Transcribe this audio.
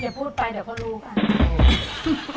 ฮะอย่าพูดไปเดี๋ยวเขารู้กัน